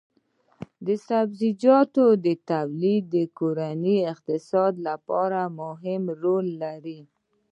د سبزیجاتو تولید د کورني اقتصاد لپاره مهم رول لري.